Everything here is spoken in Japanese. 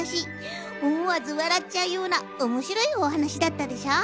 思わずわらっちゃうようなおもしろいお話だったでしょ？